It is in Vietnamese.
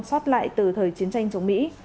xót lại từ thời chiến tranh chống mỹ